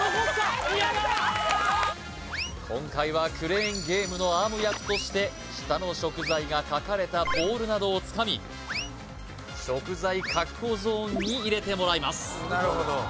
今回はクレーンゲームのアーム役として下の食材が書かれたボールなどをつかみ食材確保ゾーンに入れてもらいます